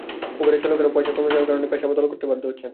উবারের চালকেরাও পয়সা কমে যাওয়ার কারণে পেশা বদল করতে বাধ্য হচ্ছেন।